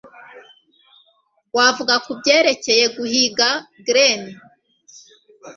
Wavuga kubyerekeye guhiga glen